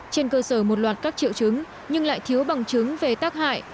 trên cơ sở một loạt các triệu chứng nhưng lại thiếu bằng chứng về tác hại